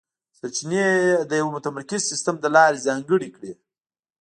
سرچینې یې د یوه متمرکز سیستم له لارې ځانګړې کړې.